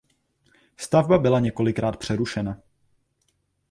Stavba byla několikrát přerušena.